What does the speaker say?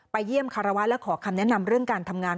เยี่ยมคารวะและขอคำแนะนำเรื่องการทำงาน